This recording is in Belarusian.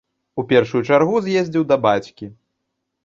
У першую чаргу з'ездзіў да бацькі.